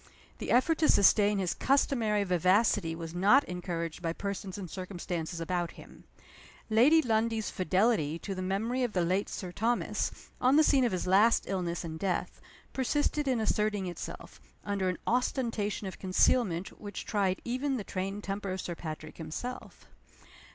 The effort to sustain his customary vivacity was not encouraged by persons and circumstances about him. Lady Lundie's fidelity to the memory of the late Sir Thomas, on the scene of his last illness and death, persisted in asserting itself, under an ostentation of concealment which tried even the trained temper of Sir Patrick himself.